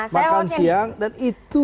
makan siang dan itu